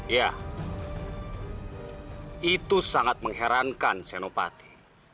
ya itu sangat mengherankan senopati